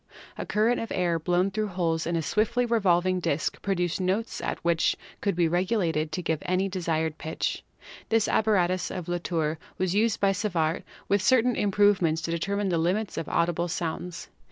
A current of air blown through holes in a swiftly revolving disk pro duced notes which could be regulated to give any desired pitch. This apparatus of Latoirr was used by Savart with certain improvements to determine the limits of audible Sound Vibration Measurement. sounds.